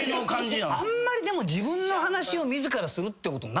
あんまりでも自分の話を自らするってことないですよね。